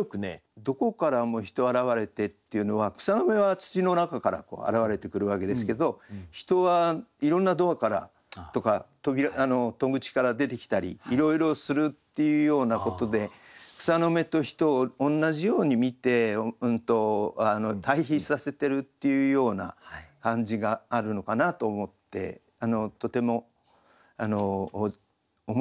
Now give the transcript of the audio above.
「どこからも人現れて」っていうのは草の芽は土の中から現れてくるわけですけど人はいろんなドアからとか戸口から出てきたりいろいろするっていうようなことで草の芽と人を同じように見て対比させてるっていうような感じがあるのかなと思ってとても面白い句だと思いますね。